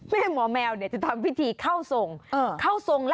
แม่หมอแมวจะทำพิธีเข้าทรง